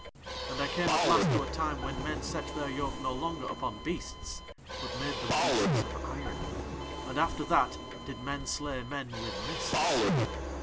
"And I came at last to a time when men set their yoke no longer upon beasts but made them beasts of iron. "And after that did men slay men with mists.